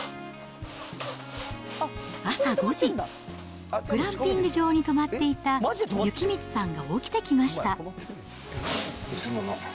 朝５時、グランピング場に泊まっていた幸光さんが起きてきました。